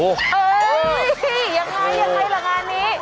เฮ้ยยังไงยังไงล่ะงานนี้